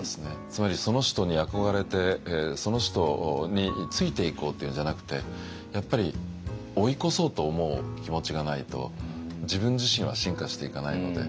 つまりその人に憧れてその人についていこうというんじゃなくてやっぱり追い越そうと思う気持ちがないと自分自身は進化していかないので。